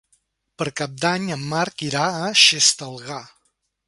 Per Cap d'Any en Marc irà a Xestalgar.